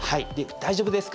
大丈夫ですか？